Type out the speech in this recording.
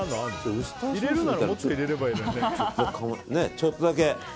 ちょっとだけ。